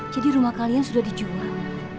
jadi rumah kalian sudah dijual